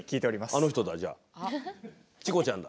あの人だ！チコちゃんだ。